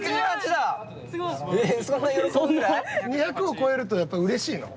２００を超えるとやっぱうれしいの？